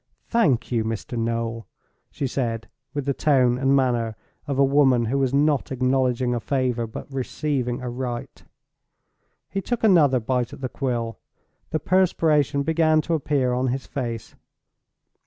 "Thank you, Mr. Noel," she said, with the tone and manner of a woman who was not acknowledging a favor, but receiving a right. He took another bite at the quill. The perspiration began to appear on his face.